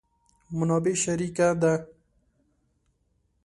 منابع شریکه ده.